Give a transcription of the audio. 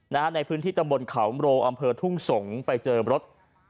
ในพื้นที่ตำบลเขาโรอำเภอทุ่งสงศ์ไปเจอรถ